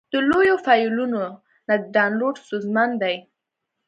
د لویو فایلونو نه ډاونلوډ ستونزمن دی.